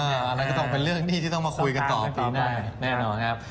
อะไรก็ต้องเป็นเรื่องที่ต้องมาคุยกันต่อปีหน้าแน่นอนครับ